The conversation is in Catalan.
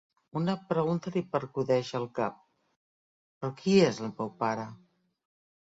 Una pregunta li percudeix el cap. Però qui és el meu pare?